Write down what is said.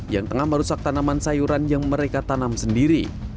yang tengah merusak tanaman sayuran yang mereka tanam sendiri